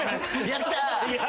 やった！